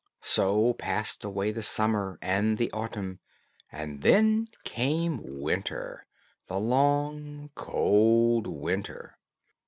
So passed away the summer and the autumn, and then came the winter, the long, cold winter.